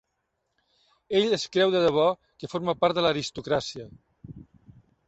Ell es creu de debò que forma part de l'aristocràcia!